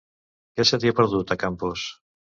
Què se t'hi ha perdut, a Campos?